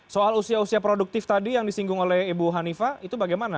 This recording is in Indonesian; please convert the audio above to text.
soal usia usia produktif tadi yang disinggung oleh ibu hanifah itu bagaimana